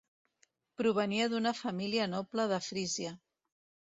Provenia d'una família noble de Frísia.